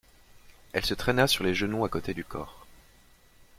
Elle se traîna sur les genoux à côté du corps.